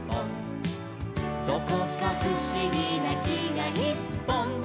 「どこかふしぎなきがいっぽん」